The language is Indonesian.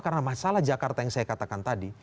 karena masalah jakarta yang saya katakan tadi